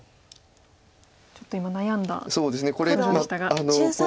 ちょっと今悩んだ表情でしたが。